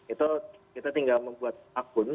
itu kita tinggal membuat akun